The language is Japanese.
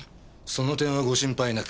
その点はご心配なく。